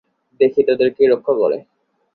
দেখি তোদের কে রক্ষা করে!